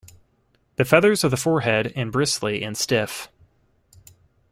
The feathers of the forehead and bristly and stiff.